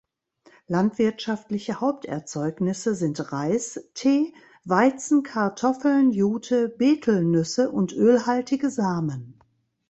Landwirtschaftliche Haupterzeugnisse sind Reis, Tee, Weizen, Kartoffeln, Jute, Betelnüsse und ölhaltige Samen.